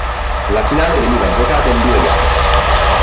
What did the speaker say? La finale veniva giocata in due gare.